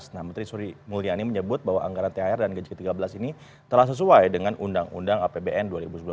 nah menteri sri mulyani menyebut bahwa anggaran thr dan gaji ke tiga belas ini telah sesuai dengan undang undang apbn dua ribu sembilan belas